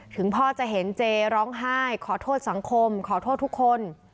ถึงพ่อจะเห็นเจร้องไห้ขอโทษสังคมขอโทษทุกคน